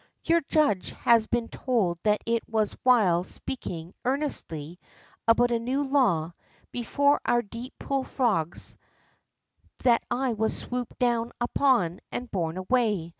Your judge has been told that it was while speaking earnestly about a new law, before our Deep Pool frogs, that I was swooped doAvn upon, and borne away.